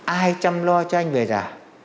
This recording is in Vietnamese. ai chăm lo cho anh về giả